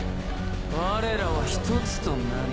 我らは一つとなり。